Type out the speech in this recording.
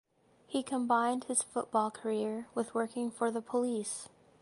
He combined his football career with working for the police.